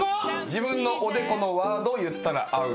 自分のおでこのワードを言ったらアウト。